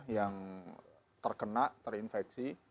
yang terkena terinfeksi